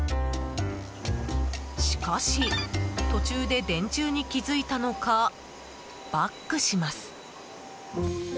しかし、途中で電柱に気づいたのか、バックします。